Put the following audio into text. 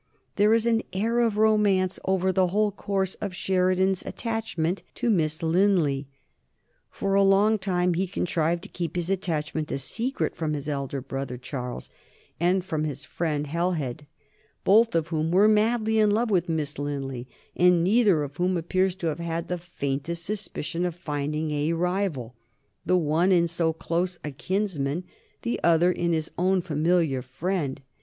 There is an air of romance over the whole course of Sheridan's attachment to Miss Linley. For a long time he contrived to keep his attachment a secret from his elder brother, Charles, and from his friend Halhed, both of whom were madly in love with Miss Linley, and neither of whom appears to have had the faintest suspicion of finding a rival, the one in so close a kinsman, the other in his own familiar friend.